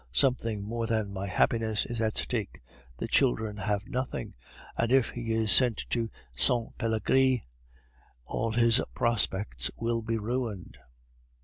Something more than my happiness is at stake; the children have nothing, and if he is sent to Sainte Pelagie all his prospects will be ruined."